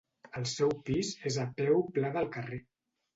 El seu pis és a peu pla del carrer.